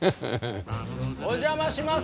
・お邪魔します。